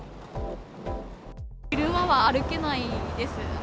昼間は歩けないです。